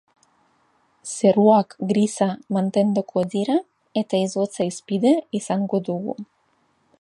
Zeruak grisa mantenduko dira eta izotza hizpide izango dugu.